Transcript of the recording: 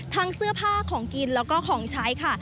ทั้งเสื้อผ้าของกิจและก็ของใช้ค่ะ